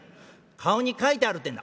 顔に書いてあるてんだ」。